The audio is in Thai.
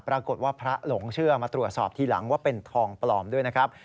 ปรากฏว่าพระหลงเชื่อมาตรวจสอบทีหลังว่าเป็นทองปลอมด้วยนะครับ